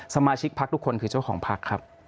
สมาชิกพักทุกคนคือเจ้าของพักครับ